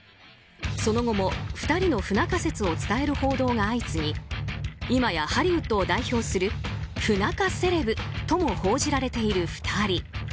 その後も、２人の不仲説を伝える報道が相次ぎ今やハリウッドを代表する不仲セレブとも報じられている２人。